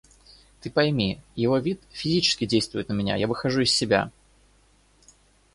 Ты пойми, его вид физически действует на меня, я выхожу из себя.